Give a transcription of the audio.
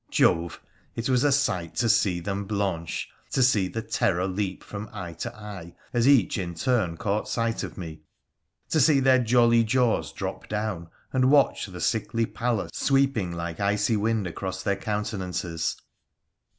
Jove ! it was a sight to see them blanch — to see the terror leap from eye to eye as each in turn caught sight of me — to see their jolly jaws drop down, and watch the sickly pallor sweeping like icy wind across their countenances.